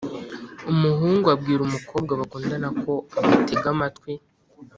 umuhungu abwira umukobwa bakundana ko amutega amatwi